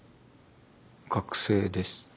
学生です。